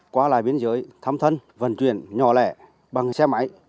qua lại biên giới thăm thân vận chuyển nhỏ lẻ bằng xe máy